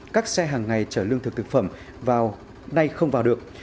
các xe hàng ngày chở lương thực thực phẩm vào nay không vào được